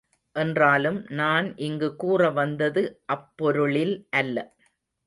என்றாலும், நான் இங்கு கூறவந்தது அப்பொருளில் அல்ல.